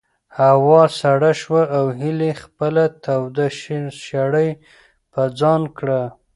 هوا سړه شوه او هیلې خپله توده شړۍ په ځان کړه.